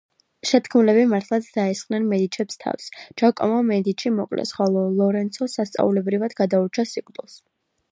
შეთქმულები მართლაც დაესხნენ მედიჩებს თავს, ჯაკომო მედიჩი მოკლეს, ხოლო ლორენცო სასწაულებრივად გადაურჩა სიკვდილს.